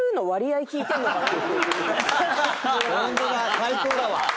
最高だわ。